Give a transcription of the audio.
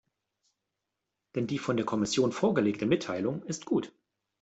Denn die von der Kommission vorgelegte Mitteilung ist gut.